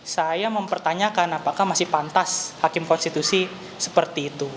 saya mempertanyakan apakah masih pantas hakim konstitusi seperti itu